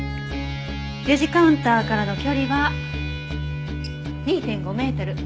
レジカウンターからの距離は２．５メートル。